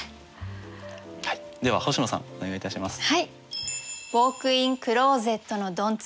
はいでは星野さんお願いいたします。